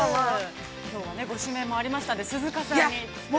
◆ご指名もありましたので、鈴鹿さんに。